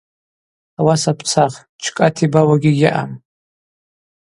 Ауаса бцах, джькӏата йбауагьи гьаъам.